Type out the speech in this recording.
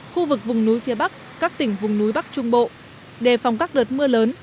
khu vực vùng núi phía bắc các tỉnh vùng núi bắc trung bộ đề phòng các đợt mưa lớn